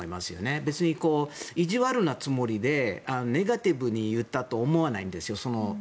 別に、いじわるなつもりでネガティブに言ったと思わないんですよ。